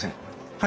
はい。